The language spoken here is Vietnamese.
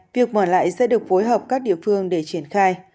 việc mở lại sẽ được phối hợp các địa phương để triển khai